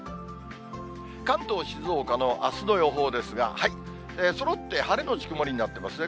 関東、静岡のあすの予報ですが、そろって晴れ後曇りになってますね。